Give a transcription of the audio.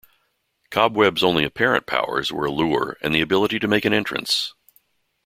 Cobweb's only apparent powers were allure and the ability to make an entrance.